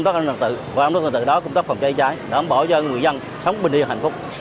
đảm bảo cho người dân sống bình yên hạnh phúc